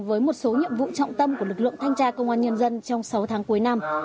với một số nhiệm vụ trọng tâm của lực lượng thanh tra công an nhân dân trong sáu tháng cuối năm